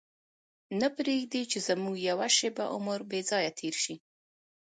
نه پرېږدي چې زموږ یوه شېبه عمر بې ځایه تېر شي.